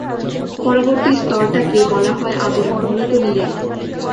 পরবর্তী স্তরটাকে বলা হয় আবরণ, মূলত নিরেট।